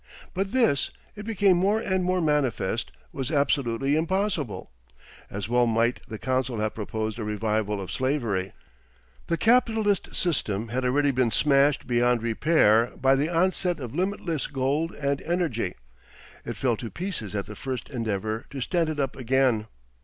But this, it became more and more manifest, was absolutely impossible. As well might the council have proposed a revival of slavery. The capitalist system had already been smashed beyond repair by the onset of limitless gold and energy; it fell to pieces at the first endeavour to stand it up again.